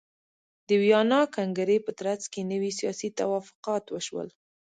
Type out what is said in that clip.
د ویانا کنګرې په ترڅ کې نوي سیاسي توافقات وشول.